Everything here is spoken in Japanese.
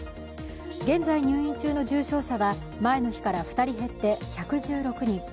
現在入院中の重症者は前の日から２人減って１１６人。